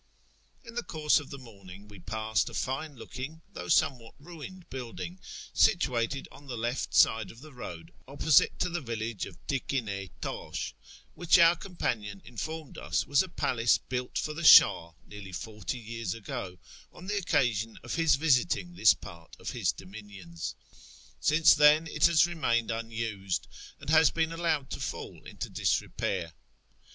In the course of the morning we passed a fine looking though somewhat ruined building, situated on the left side of the road opposite to the village of Tikme Tash, Mdiich our companion informed us was a palace built for the Shjih nearly forty years ago, on the occasion of his visiting this part of his dominions. Since then it has remained unused, and has been allowed to fall into disrepair.